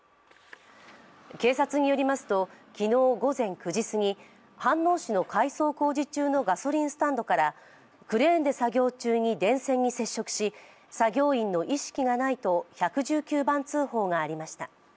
警察によりますと昨日午前９時すぎ飯能市の改装工事中のガソリンスタンドからクレーンで作業中に電線に接触し作業員の意識がないと１１９番通報がありました。